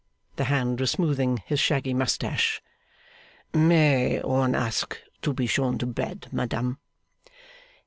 The hand was smoothing his shaggy moustache. 'May one ask to be shown to bed, madame?